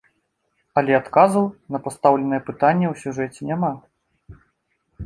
Але адказу на пастаўленае пытанне ў сюжэце няма.